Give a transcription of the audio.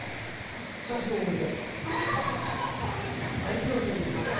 行きましょう行きましょう。